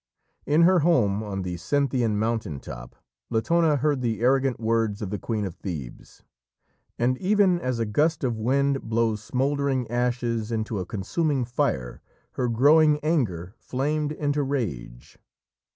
In her home on the Cynthian mountain top, Latona heard the arrogant words of the queen of Thebes, and even as a gust of wind blows smouldering ashes into a consuming fire, her growing anger flamed into rage.